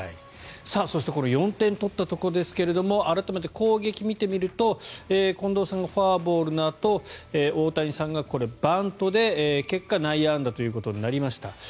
この４点を取ったところですが改めて攻撃を見てみると近藤さんがフォアボールのあと大谷さんがバントで結果、内野安打となりました。